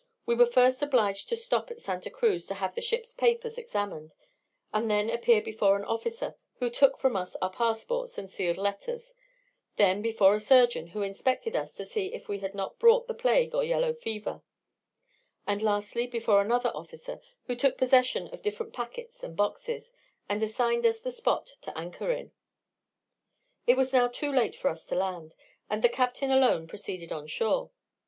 We were first obliged to stop at Santa Cruz to have the ship's papers examined, and then appear before an officer, who took from us our passports and sealed letters; then before a surgeon, who inspected us to see that we had not brought the plague or yellow fever; and lastly, before another officer, who took possession of different packets and boxes, and assigned us the spot to anchor in. It was now too late for us to land, and the captain alone proceeded on shore.